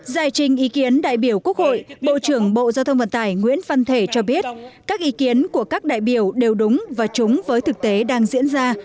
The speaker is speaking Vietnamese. giải trình ý kiến đại biểu quốc hội bộ trưởng bộ giao thông vận tải nguyễn văn thể cho biết các ý kiến của các đại biểu đều đúng và trúng với thực tế đang diễn ra